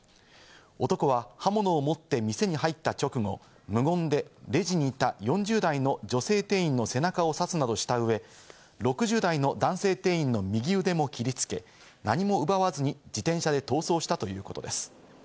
男は刃物を持って店に入った直後、無言でレジにいた４０代の女性店員の背中を刺すなどした上、６０代の男性店員の右腕も切りつけ、何も奪わずに自転車で逃走したということです。